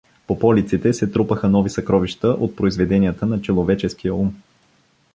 По полиците се трупаха нови съкровища от произведенията на человеческия ум!